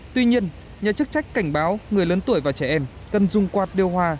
tuy nhiên nhà chức trách cảnh báo người lớn tuổi và trẻ em cần dung quạt đeo hoa